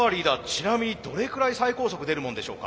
ちなみにどれくらい最高速出るもんでしょうか。